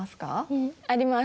うん。あります。